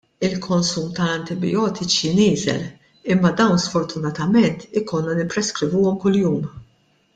Il-konsum tal-antibijotiċi nieżel imma dawn sfortunatament ikollna nippreskrivuhom kuljum!